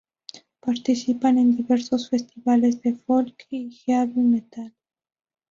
Participan en diversos festivales de folk y heavy metal.